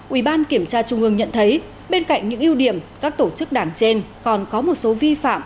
ubnd tp hcm nhận thấy bên cạnh những ưu điểm các tổ chức đảng trên còn có một số vi phạm